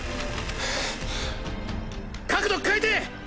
角度変えて！